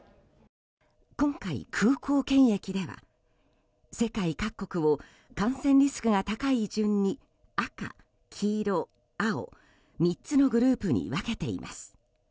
今回、空港検疫では世界各国を感染リスクが高い順に赤、黄色、青３つのグループに分けています。